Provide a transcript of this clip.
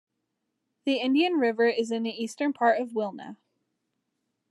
The Indian River is in the eastern part of Wilna.